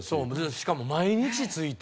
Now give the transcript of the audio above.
しかも毎日ついて。